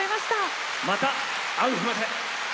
また会う日まで！